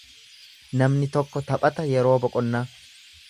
Namni tokko taphata yeroo boqonnaa.